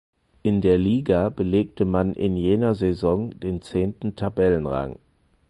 In der Liga belegte man in jener Saison den zehnten Tabellenrang.